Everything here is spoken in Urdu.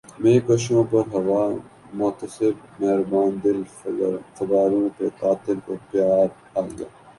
مے کشوں پر ہوا محتسب مہرباں دل فگاروں پہ قاتل کو پیار آ گیا